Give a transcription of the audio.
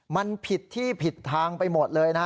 มันผิดที่ผิดทางไปหมดเลยนะฮะ